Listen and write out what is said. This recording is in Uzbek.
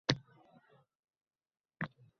Lekin bu narsalarga har doim ham guvoh boʻlavermaysiz.